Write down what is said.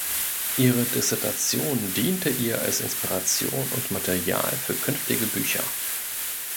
Ihre Dissertation diente ihr als Inspiration und Material für künftige Bücher.